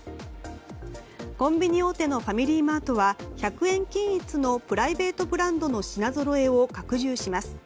コンビニ大手のファミリーマートは１００円均一のプライベートブランドの品ぞろえを拡充します。